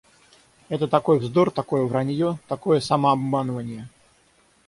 Это такой вздор, такое вранье, такое самообманыванье.